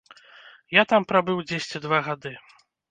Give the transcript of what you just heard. Я там прабыў дзесьці два гады.